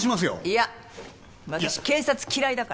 いや私警察嫌いだから。